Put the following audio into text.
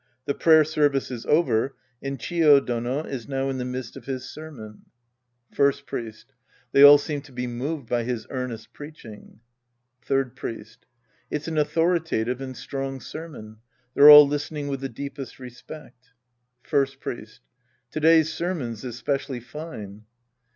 The prayer semce is over and Chio Dono is now in the midst of his sermon. Act 11 The Priest and His Disciples 79 First Priest. They all seem to be moved by his earnest preaching. Third Priest. It's an authoritative and strong sermon. They're all listening with the deepest respect. First Priest. To day's sermon's especially fine.